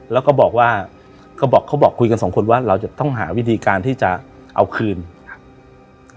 แล้วก็บอกว่าก็บอกเขาบอกคุยกันสองคนว่าเราจะต้องหาวิธีการที่จะเอาคืนครับ